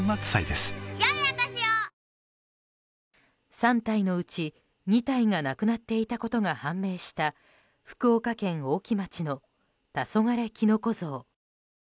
３体のうち２体がなくなっていたことが判明した福岡県大木町の「黄昏きの子」像。